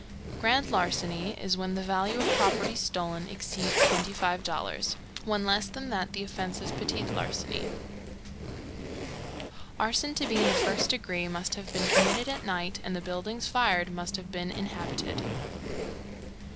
Grand larceny is when the value of property stolen exceeds $25.00 When less than that, the offence is petit larceny. Arson to be in the first degree must have been committed at night and the buildings fired must have been inhabited.